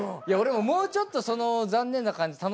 俺ももうちょっとその残念な感じ